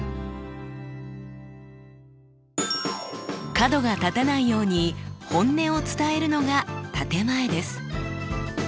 角が立たないように本音を伝えるのが建て前です。